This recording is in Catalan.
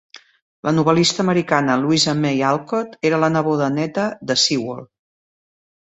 La novel·lista americana Louisa May Alcott era la neboda neta de Sewall.